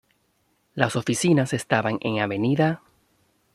Las oficinas estaban en Av.